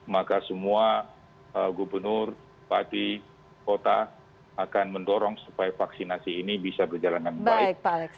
maka semua gubernur pati kota akan mendorong supaya vaksinasi ini bisa berjalan dengan baik